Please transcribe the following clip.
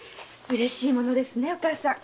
嬉しいものですね。